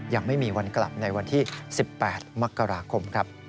ยังไม่มีวันกลับในวันที่๑๘มกราคมครับ